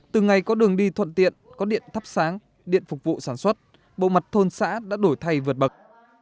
từ ngày có đường đi thuận tiện có điện thắp sáng điện phục vụ sản xuất bộ mặt thôn xã đã đổi thay vượt bậc